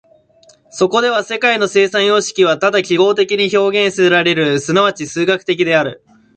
そこでは世界の生産様式はただ記号的に表現せられる、即ち数学的である。